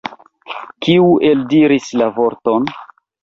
Kiu eldiris la vorton?